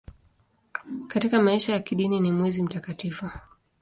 Katika maisha ya kidini ni mwezi mtakatifu.